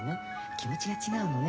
気持ちが違うのね。